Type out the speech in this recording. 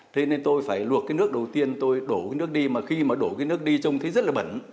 thế nên tôi phải luộc cái nước đầu tiên tôi đổ cái nước đi mà khi mà đổ cái nước đi trông thấy rất là bẩn